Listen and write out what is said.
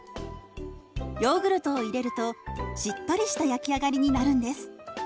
ヨーグルトを入れるとしっとりした焼き上がりになるんです。